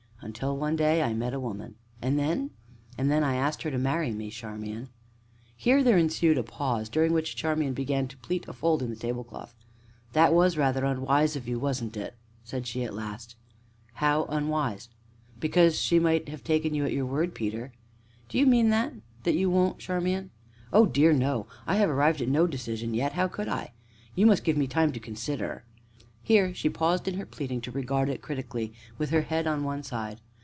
"Until, one day I met a woman." "And then ?" "And then I asked her to marry me, Charmian." Here there ensued a pause, during which Charmian began to pleat a fold in the tablecloth. "That was rather unwise of you, wasn't it?" said she at last. "How unwise?" "Because she might have taken you at your word, Peter." "Do you mean that that you won't, Charmian?" "Oh dear, no! I have arrived at no decision yet how could I? You must give me time to consider." Here she paused in her pleating to regard it critically, with her head on one side.